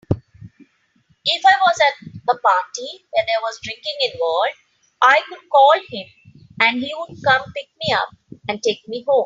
If I was at a party where there was drinking involved, I could call him and he would come pick me up and take me home.